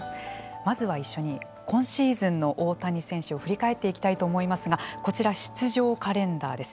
まずは一緒に今シーズンの大谷選手を振り返っていきたいと思いますがこちら出場カレンダーです。